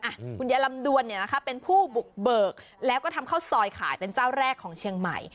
อุ๊ยคุณเยายลำดวนเป็นผู้บุกเบิกและทำเข้าซอยขายเป็นเจ้าแรกของเชียงใหม่